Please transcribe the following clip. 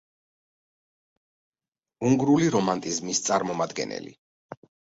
უნგრული რომანტიზმის წარმომადგენელი.